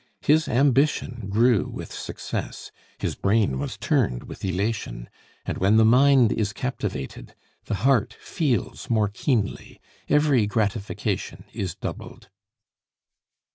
His ambition grew with success; his brain was turned with elation; and when the mind is captivated, the heart feels more keenly, every gratification is doubled.